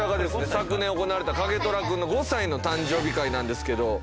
昨年行われた景寅君の５歳の誕生日会なんですけど。